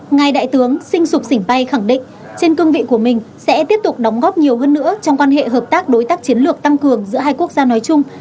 ngài đại tướng xin sụp sỉnh bay khẳng định trên cương vị của mình sẽ tiếp tục đóng góp nhiều hơn nữa trong quan hệ hợp tác đối tác chiến lược tăng cường giữa hai quốc gia nói chung